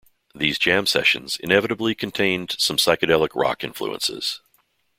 These jam sessions inevitably contained some psychedelic rock influences.